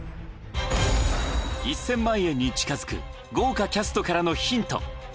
１０００万円に近づく、豪華キャストからのヒント。